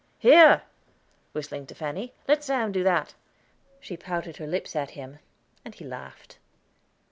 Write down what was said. Here," whistling to Fanny, "let Sam do that." She pouted her lips at him, and he laughed.